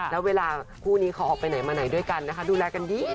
แล้วเวลาคู่นี้เขาออกไปไหนมาไหนด้วยกันนะคะดูแลกันดี